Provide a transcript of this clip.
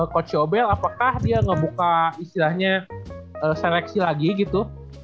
coach yobel apakah dia ngebuka istilahnya seleksi lagi gitu